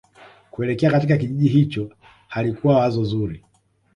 kuelekea katika kijiji hicho halikuwa wazo zuri